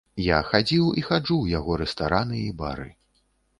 Я хадзіў і хаджу ў яго рэстараны і бары.